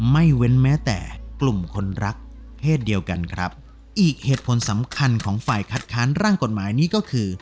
ไม่เว้นแม้แต่กลุ่มคนรักเพศเดียวกันครับอีกเหตุผลสำคัญของฝ่ายคัดค้านร่างกฎหมายนี้ก็คือ